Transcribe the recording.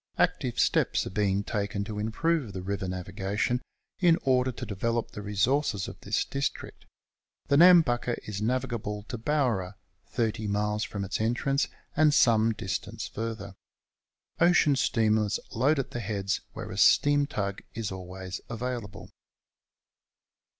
Active steps are being taken to improve the river navigation, in order to develop the resources of this district. The Nambucca is navigable to Bowra, 30 miles from its entrance, and some distance further. Ocean steamers load at the heads, wkere a steam tug is always available.